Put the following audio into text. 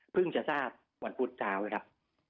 เพิ่งจะทราบวันพุธเจ้านะครับ